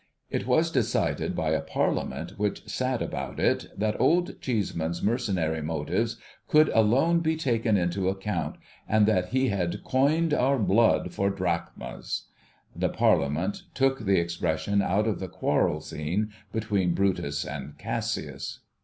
It was decided by a Parliament which sat al)out it, that Old Cheeseman's mercenary motives could alone be taken into account, and that he had ' coined our blood for drachmas.' OLD CHEESEMAN 45 The Parliament took the expression out of the quarrel scene betv/een Brutus and Cassius.